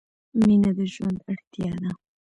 • مینه د ژوند اړتیا ده.